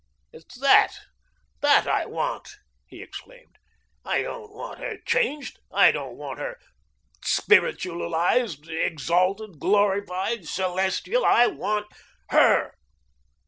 It's that, that I want," he exclaimed. "I don't want her changed. I don't want her spiritualised, exalted, glorified, celestial. I want HER.